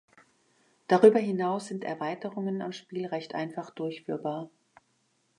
Darüber hinaus sind Erweiterungen am Spiel recht einfach durchführbar.